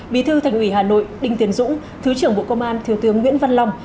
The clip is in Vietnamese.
bí thư thành ủy hà nội đinh tiến dũng thứ trưởng bộ công an thiếu tướng nguyễn văn long